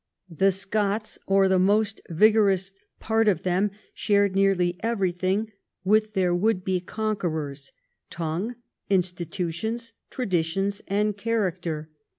The Scots, or the most vigorous part of them, shared nearly everything with their would be conquerors — tongue, institutions, tradi tions, and character.